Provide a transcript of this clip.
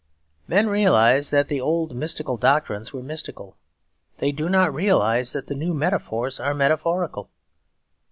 Men realised that the old mystical doctrines were mystical; they do not realise that the new metaphors are metaphorical.